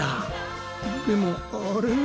でもあれ？